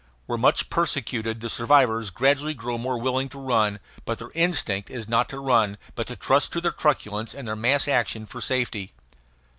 Where much persecuted the survivors gradually grow more willing to run, but their instinct is not to run but to trust to their truculence and their mass action for safety.